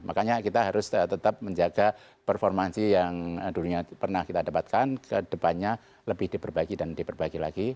makanya kita harus tetap menjaga performansi yang dulunya pernah kita dapatkan ke depannya lebih diperbaiki dan diperbaiki lagi